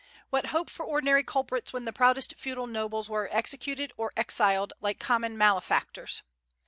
What hope for ordinary culprits when the proudest feudal nobles were executed or exiled, like common malefactors?